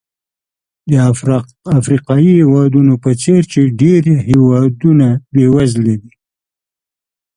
نه د افریقایي هېوادونو په څېر چې ډېر بېوزله دي.